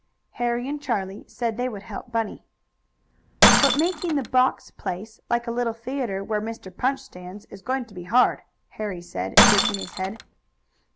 Harry and Charlie said they would help Bunny. "But making the box place, like a little theatre, where Mr. Punch stands, is going to be hard," Harry said, shaking his head.